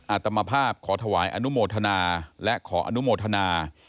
อาตมภาพขอถวายอนุโมทนาและขออนุโมทนา